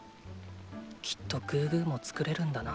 きっとグーグーも作れるんだな。